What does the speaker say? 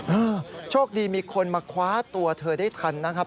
โชคดีมีคนมาคว้าตัวเธอได้ทันนะครับ